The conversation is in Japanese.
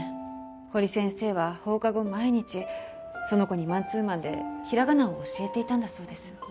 堀先生は放課後毎日その子にマンツーマンでひらがなを教えていたんだそうです。